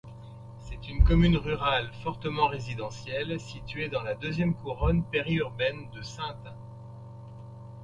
C'est une commune rurale, fortement résidentielle, située dans la deuxième couronne péri-urbaine de Saintes.